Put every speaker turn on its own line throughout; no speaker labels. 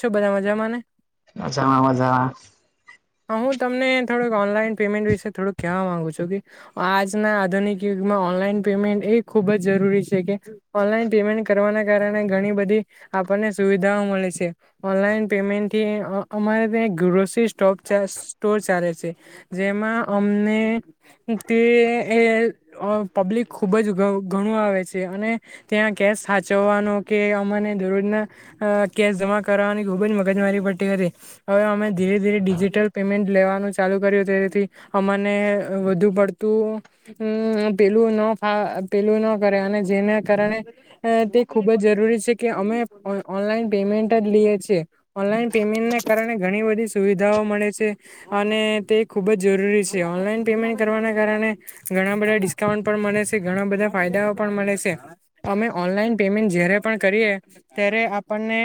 શું બધા મજામાંને?
મજામાં મજામાં.
હા, હું તમને થોડક ઓનલાઈન પેમેન્ટ વિશે થોડુંક કેહેવા માંગુ છું કે, આજના આધુનિક યુગમાં ઓન પેમેન્ટ એ ખૂબ જ જરૂરી છે કે, ઓનલાઈન પેમેન્ટ કરવાના કારણે ઘણી બધી, આપ સુવિધાઓ મળે છે, ઓનલાઈન પેમેન્ટથી અમારે ત્યાં ગ્રોસરી સ્ટોપ સ્ટોર ચાલે છે, જેમાં અમને તે અ પબ્લિક ખૂબ જ ઘણું આવે છે અને, ત્યાં કેસ સાચવવાનો કે અમાને જ કરવાની ખૂબ જ મગજ મારી પડતી હતી, હવે અમે ધીરે ધી પેમેન્ટ લેવાનું ચાલુ કર્યું, તેથી અમાને વધુ પડતું પેલું ન પેલું ન કરે અને જેના કારણે, તે ખૂબ જ જરૂરી છે કે અમે ઓલા પેમેન્ટ જ લએએ, ઓનલાન પેમેન્ટને કારણે ઘણી બધી સુવિધાઓ મળે. તે ખુબ જ જરૂરી છે, ઓનલાઈન પેમેન્ટ કરવાના કારણે, ઘણા બધા ડિસ્કાઉન્ટ મળ ઘણા બધા ફાયદા પણ મળે છે, અમે ઓનલાઈન પેમેન્ટ જ્યારે પણ કરીએ. ત્યારે આપણને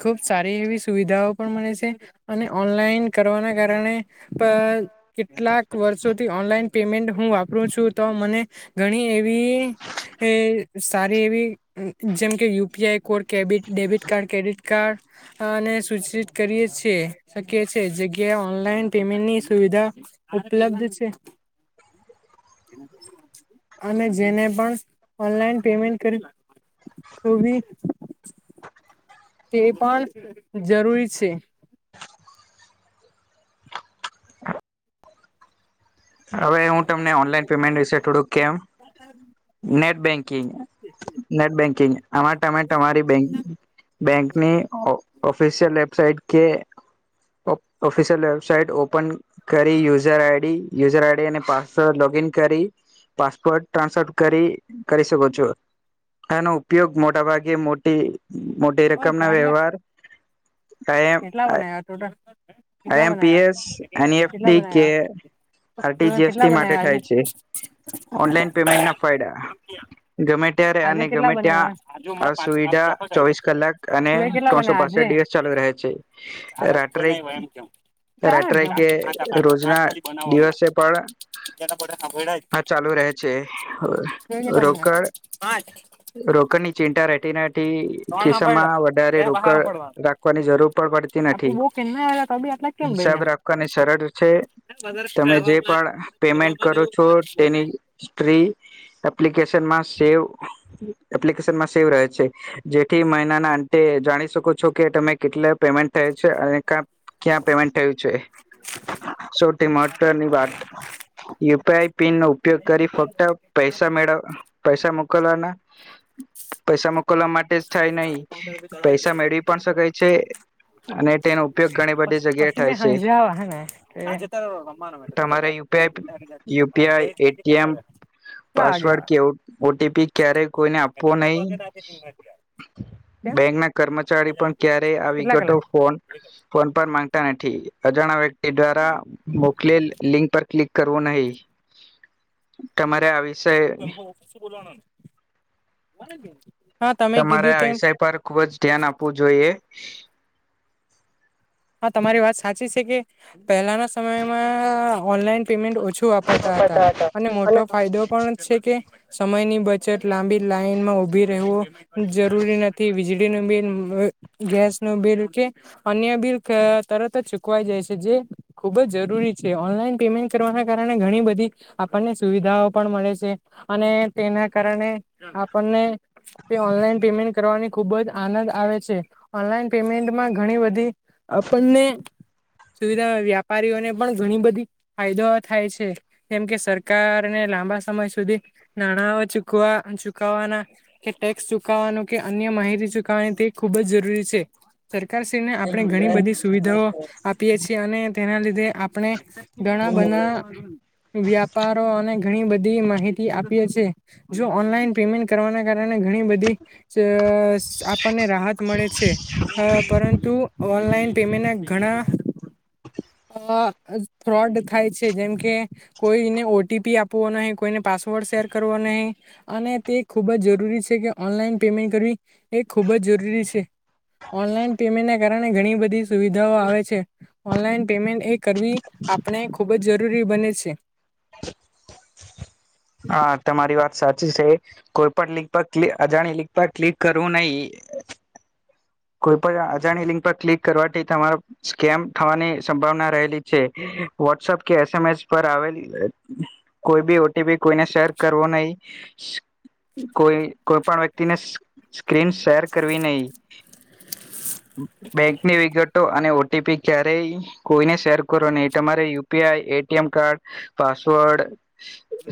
ખુબ સારી એવી સુવિધાઓ પણ મળે છે, અને ઓનલાઈન કરવાના કારણે, કેટલાક વર્ષોથી ઓનલાઈન પેમેન્ટ હું વાપરું છું. તો મને, ઘણી એવી એ સારી એવી જેમ કે યુ પી આઈ કોડ. કેબિટ ડેબિટ કાર્ડ ક્રેડિટ કાર્ડને, સૂચિત કરીએ છીએ શકીએએ. જગ્યાએ ઓનલાઈન પેમેન્ટની સુવિધા ઉપલબ્ધ છે. અને જેને પણ ઓનલાઈન પેમેન્ટ કરી ખબી [unintelligible] તે પણ, જરૂરી છે.
હવે હું તમને ઓનલાઈન પેમેન્ટ વિશે થોડુંક કેમ. નેટ બેંકિંગ નેટ બેંકિંગ આમાં ટમે તમારી બેંક બેંક ની ઓફિસિયલ વેબસાઇટ કે ઓફિશિયલ વેબસાાઈટ ઓપન કરી user I D. User I D અને પાસવર્ડ લોગ ઇન કરી. પાસપોર્ટ ટ્રાન્સફર કરી કરી શકો છો. આનો ઉપયોગ મોટા ભાગે મોટી મોટી
ઓય
રકમ ના
ઝાડિયા
વ્યવહાર.
કેટલા બનાવ્યા ટોટલ કેટલા
એમ પી
બનાવ્યા
એસ એન એફ
કેટલા
કે
બનાવ્યા
આર ટી
તુંએ
જી એસ
કેટલા
ટી માટે
બનાવ્યા આજે
થાય છે, ઓનલાઈન પેમેન્ટ ના ફાયદા. ત્યારે
આજે
અને
કેટલા
ગમે ત્યાં
બનાવ્યા
આ સુવિધા ચોવીસ કલાક અને
તુંએ કેટલા
ત્રણસો
બનાવ્યા
પાસઠ
આજે
દિવસ ચાલુ રહે છે રાત્રે
ચાર જ
રાત્રે
ને
કે
આઠ આ પાંચ આઠ
રોજના
ખાલી બનાવો હમણાં
દિવસે પણ હા ચાલુ રહે છે
તુંએ કેટલા બનાવ્યા
રોકડ રોકડ ની ચિંતા રહેટી નથી તી ખિસ્સામાં વધારે રોકડ રાખવાની જરૂર પણ પડતી
આપડે
નથી
બો કેમ ના આયવા તો બી આટલા કેમ બયના
હિસાબ રાખવાની સરળ છે તમે જે પણ પેમેન્ટ કરો છો તેની ફ્રી એપ્લિકેશન મા સેવ એપ્લિકેશનમાં સેવ રહે છે જેથી મહિનાના અંતે જાણી શકો છો કે તમે કેટલા પેમેન્ટ થયો છે અને ક્યાં પેમેન્ટ થયું છે સૌથી મહત્વની વાત યુપે આઈ પીન નો ઉપયોગ કરી ફક્ત પૈસા મેળવા પૈસા મુ મોકલવાના પૈસા મોકલવા મા તે થાય નહી પૈસા મેળવી પણ શકાય છે અને તેનો ઉપયોગ ઘણી બધી જગ્યાએ
પછ્ચીમે
થાય છે
હાંજે આવા હે ને હાંજે તો
તમારે યુપીઆઈ
હાંજે
યુપીઆઈ
એટલે કે કેટલાક
એટીએમ
વાગે
પાસવર્ડ
આવા
કે ઓટીપી ક્યારે કોઈને આપવો નહી
કેમ
બેંક ના કર્મચારી પણ ક્યારેય આ
કેટલા
વિગતો
કલાક
ફોન ફોન પર માંગતા નથી અજાણ વ્યક્તિ દ્વારા મોકલે લિંક પર ક્લિક કરવું નહી તમારે આવી
તું એમ ઓફિસ બોલાવાના ને
તમારે આ વિષય પર ખુબ જ ધ્યાન આપવું જોઈએ
હા તમારી વાત સાચી છે કે પહેલાના સમયમાં ઓનલાઈન પેમેન્ટ ઓ ઓછું વાપરતા હતા અને મોટો ફાયદો પણ છે કે સમયની બચત લાંબી લાઈનમાં ઉભી રહેવો જરૂરી નથી વીજળીનું બિલ ગેસ નું બિલ કે અન્ય બિલ અ તરત જ ચૂકવાઈ જાય છે જે ખુબ જ જરૂરી છે ઓનલાઈન પેમેન્ટ કરવાના કારણે ઘણી બધી આપણને સુવિધાઓ પણ મળે છે અને તેના કારણે આપણને તે ઓનલાઈન પેમેન્ટ કરવાની ખૂબ જ આનંદ આવે છે ઓનલાઈન પેમેન્ટમાં ઘણી બધી આપણને સુવિધા વ્યાપારીઓને પણ ઘણી બધી ફાયદો થાય છે જેમ કે સરકારને લાંબા સમય સુધી નાણાંઓ ચૂકવા ચૂકવવાના કે ટેક્સ ચુકવવાનું કે અન્ય માહિતી ચુકવણી તે ખુબ જ જરૂરી છે સરકારશ્રીને આપણે ઘણી બધી સુવિધાઓ આપીએ છીએ અને તેના લીધે આપણે ઘણા બના વ્યાપારો અને ઘણી બધી માહિતી આપીએ છે જો ઓનલાઈન પેમેન્ટ કરવાના કારણે ઘણી બધી અ આપણને રાહત મળે છે પરંતુ ઓનલાઈન પેમેન્ટ ના ઘણા અ ફ્રોડ થાય છે જેમકે કોઈને ઓટીપી આપવો નહી કોઈને પાસવર્ડ શેર કરવા ન અને તે ખૂબ જ જરૂરી છે કે ઓનલાઈન પેમેન્ટ કરવી એ ખૂબ જ જરૂરી છે ઓનલાન પેમેન્ટ કારણે ઘણી બધી સુવિધાઓ આવે છે ઓનલાઈન પેમેન્ટ એ કરવી આપણે ખૂબ જ જરૂરી બને છે
હા તમારી વાત સાચી છે કોઈ પણ લિંક પર ક્લ અજાણી લિંક પર ક્લિક કરવું નહીિ કોઈ પણ અજાણી લિંક પર ક્લિક કરવાથી તમારે સ્કેમ થવાની સંભાવના રહેલી છે વોટ્સઅપ કે એસએમએસ પર આવેલી કોઈ બી ઓટીપી કોઈને શેર કરવો નહીિ કોઈ કોઈ પણ વ્યક્તિને સ્ક્રીન શેર કરવી નહી. બેંકની વિગતો અને ઓ ટી પી ક્યારેય કોઈને શેર કરો નહીં તમારે U P I A T M card, password,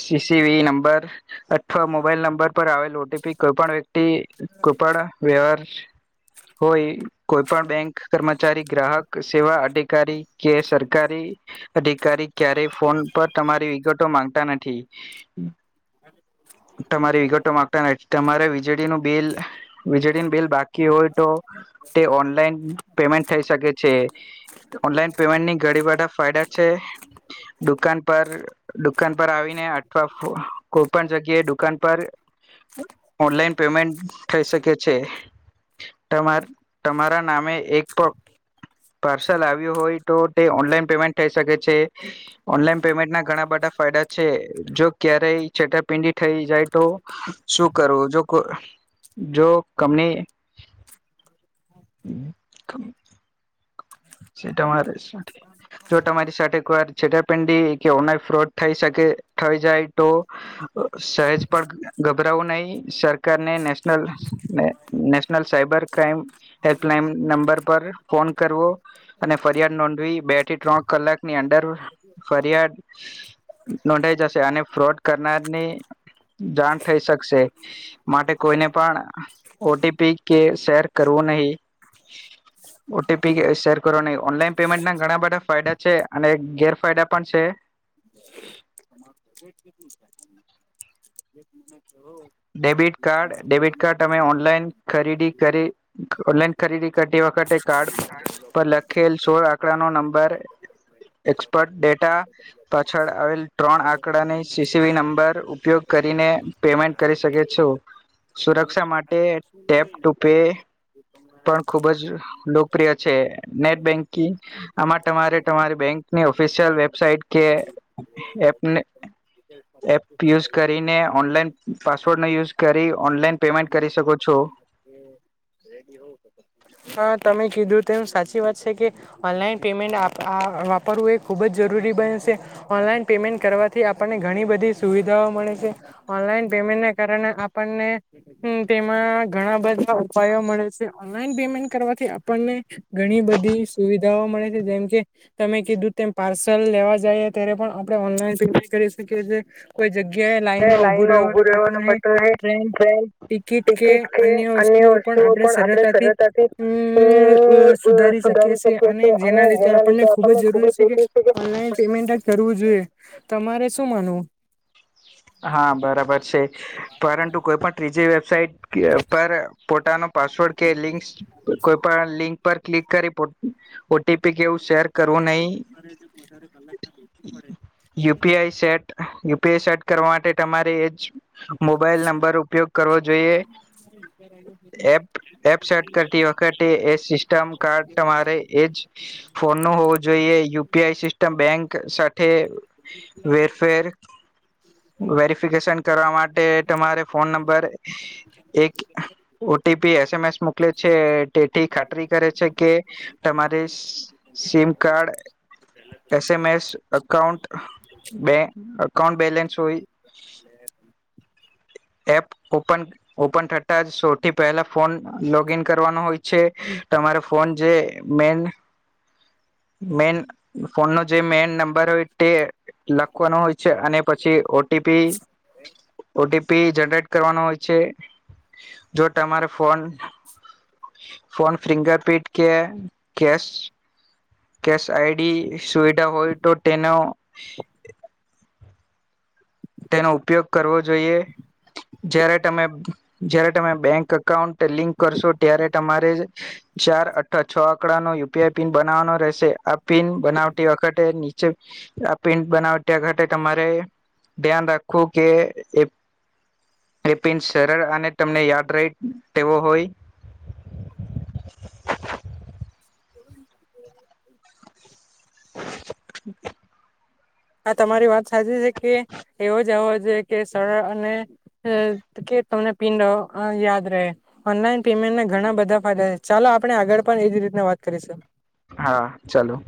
C C V number અઠવા મોબાઈલ નંબર પર આવેલ ઓ ટી પી કોઈ પણ વ્યક્તિ કોઈ પણ વ્યવાર હોય કોઈ પણ બેંક કર્મચારી ગ્રાહક સેવા અધિકારી કે સરકારી અધિકારી ક્યારે ફોન પર તમારી વિગતો માંગતા નથી.
[inaudible]
તમારી વિગતો માંગતા નથી તમારે વીજળીનું બિલ વીજળીનું બિલ બાકી હોય તો તે ઓનલાઈન પેમેન્ટ થઈ શકે છે. ઓનલાઈન પેમેન્ટની ઘણી બધા ફાયદા છે. દુકાન પર દુકાન પર આવીને અથવા કોઈ પણ જગ્યાએ દુકાન પર ઓનલાઈન પેમેન્ટ થઈ શકે છે. તમા તમારા નામે એક પણ પાર્સલ આવ્યું હોય તો તે ઓનલાઈન પેમેન્ટ થઈ શકે છે, ઓનલાઈન પેમેન્ટ ના ઘણા બધા ફાયદા છે. જો ક્યારેય છેતરપિંડી થઈ જાય તો શું કરવું? જો જો કમની તમારે જો તમારી સાથે એક વાર છેડાર પેંડી કે ઓના ફ્રોટ થાય શકે થઈ જાય તો સહેજ પણ ગભરાવું નહીં સરકારને national national cyber crime helpline number પર ફોન કરવો અને ફરિયાદ નોંધવી બે થી ત્રણ કલાકની અંદર ફરિયાદ નોંધાઈ જશે અને ફ્રોડ કરનારની જાણ થઈ શકશે. માટે કોઈને પણ ઓ ટી પી કે શેર કરવું કો નહી.
[inaudible]
ઓ ટી પી કે શેર કરો નહી ઓનલાઈન પેમેન્ટ ના ઘણા બધા ફાયદા છે અને ગેરફાયદા પણ છે.
તમાર બજેટ કેટું છે? [inaudible]
ડેબિટ કાર્ડ, ડેબિટ કાર્ડ તમે ઓનલાઈન ખરીદી કરી ઓલાઈન ખરીદી કરતી વખતે કાર્ડ પર લખેલ સોળ આંકડા નો નંબર એક્સપર્ટ ડેટા પાછળ આવેલ ત્રણ આંકડાની સી સી વી નંબર ઉપયોગ કરીને પેમેન્ટ કરી શકે છો. સુરક્ષા માટે ટેપ ટુ પે પણ ખુબ જ લોકપ્રિય છે. નેટ બેંકિંગ આમાં તમારે તમારે બેંક ની ઓફિશિયલ વેબસાઇટ કે એપને એપ યુઝ કરીને ઓનલાઈન પાસવર્ડનો યુઝ કરી ઓનલાઈન પેમેન્ટ કરી શકો છો.
રેડી હો તો [inaudible] હા તમે કીધું તે એ સાચી વાત છે કે ઓનલાઈન પેમેન્ટ આપ આ વાપરવું એ ખુબ જ જરૂરી જરૂરી બને શે. ઓનલાન પેમેન્ટ કરવાથી આપણને ઘણી બધી સુવિધાઓ મળે છે. ઓનલાન પેમ ના કારણે આપણને તેમાં ઘણા બધા ઉપાયો મળે છે ઓનલાન પેમેન કરવાથી આપણને ઘણી બધી સુવિધાઓ મળે છે જેમકે તમે કીધું તેમ પાર્સલ લેવા જયે ત્યારે પણ આપણે પેમેન્ટ કરી શકીએ છે. કોઈ જગ્યા ગ્યાએ લાઈનમાં ઉભું રહેવાનું પટાણે ટ્રેન ટિકિટ કે અન્ય વસ્તુઓ પણ આપડે સરળતાથી ઉમ અ સુધારી શકી શે અને જેના લીધે આપણને ખુબ જ જરૂરી છે કે ઓનલાઈન પેમેન્ટ કરવું જોઈએ. તમારે શું માનવું?
હા, બરાબર છે પરંતુ કોઈ પણ ત્રીજી વ્યત સાઇટ પર પોતાનો પાસવર્ડ કે લિંક કોઈ પણ લિંક પર ક્લિક કરી ઓ ટી પી કેવું શેર કરવું નહીં
કરે છે પોારે કલાકવું પડે છે.
પે સટ કરવા માટે તમારે એ જ મોબાઈલ નંબર ઉપયોગ કરવો જોઈએ.
[inaudible]
એ એપ સેટ કરતી વખતે એ સિસ્ટમ કાર્ડ તમારે એ જ, ફોનનું હોવું જોઈએ યુપીઆઈ સિસ્ટમ બેંક સાથે, વેરફેર
[inaudible]
વેરિફિકેશન કરવા માટે તમારે ફોન નંબર, એક ઓટી ી, એસ, એમ એસ મોકલે છે તેઠી ખાતરી કરે છે કે, તમારી SIM card S M S accountant બે અકાાઉન્ટ બેલેન્સ હોય. એપ ઓપન ઓપન થતા જ સૌથી પહેલા ફોન લોગ ન કરવાનો હોય છે. તમારો ફોન જે મેન
[inaudible]
મેન ફોનનો જે મેન નંબર હોય તે લખવાનું હોય છે અને પછી O T P. O T P generate કરવાનો હોય છે, જો તમારે ફોન
[inaudible]
ફોન ફિંગરપિન્ટ કે કેસ કેશ આઈડી સુવિધા હોય તો તેનો તેનો ઉપયોગ કરવો જોઈએ. જય્યારે તમે જ્યારે તમે બેંક અાઉન્ટ લિંક કરશો ત્યારે તમારે. [unintelligible] આ પિન્ટ બનાવ ત્યાં ઘાતે તમારે ધ્યાન રાખવું કે એપિન સરળ અને તમને યાદ રહી તેવો હોય.
[inaudible]
[inaudible]
હા તમારી વાત સાચી છે કે એવો જવો જોઈ કે સરળ અને તમને પિંડ યાદ રહે. ઓનલાઈન પેમેન્ટ ના ઘણા બધા ફાયદા ચાલો આપણે આગળ પણ એ રીત વાત કરીશું.
હા ચાલો